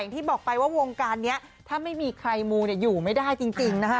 ที่บอกไปว่าวงการนี้ถ้าไม่มีใครมูอยู่ไม่ได้จริงนะฮะ